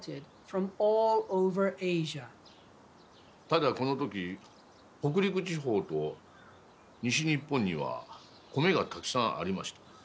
ただこの時北陸地方と西日本には米がたくさんありました。